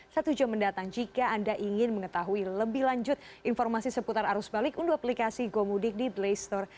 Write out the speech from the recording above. satu jam mendatang jika anda ingin mengetahui lebih lanjut informasi seputar arus balik untuk aplikasi gomudik di play store